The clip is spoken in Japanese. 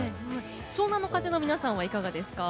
湘南乃風の皆さんはいかがですか？